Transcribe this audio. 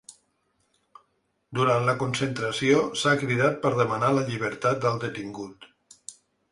Durant la concentració s’ha cridat per demanar la llibertat del detingut.